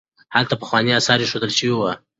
هلته پخواني اثار ایښودل شوي وو.